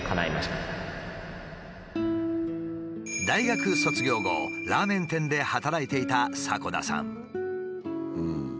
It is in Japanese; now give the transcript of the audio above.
大学卒業後ラーメン店で働いていた迫田さん。